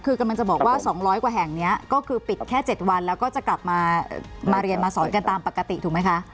คือกำลังจะบอกว่า๒๐๐กว่าแห่งนี้ก็คือปิดแค่๗วันแล้วก็จะกลับมาเรียนมาสอนกันตามปกติถูกไหมคะ